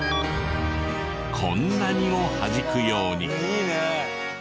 こんなにもはじくように。